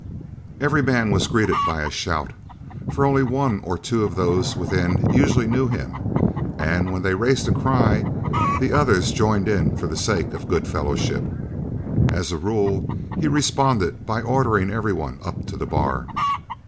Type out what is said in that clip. Every man was greeted by a shout, for one or two of those within usually knew him, and when they raised a cry the others joined in for the sake of good fellowship. As a rule he responded by ordering everyone up to the bar.